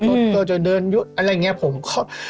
ตัวจะเดินยุดอะไรอย่างนี้ผมก็